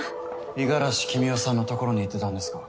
五十嵐君雄さんのところに行ってたんですか？